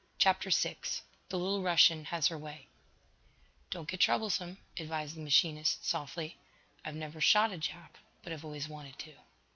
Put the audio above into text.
CHAPTER VI THE LITTLE RUSSIAN HAS HER WAY "Don't get troublesome," advised the machinist, softly. "I've never shot a Jap, but I've always wanted to."